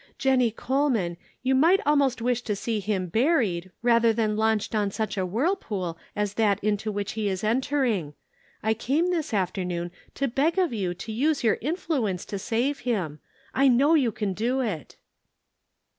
Jennie Coleman, you might almost wish to see him buried, rather than launched on such a whirlpool as that into which he is entering. I came this afternoon to beg of you to use your influence to save him. I know you can do it."